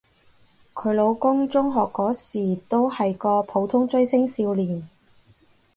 佢老公中學嗰時都係個普通追星少年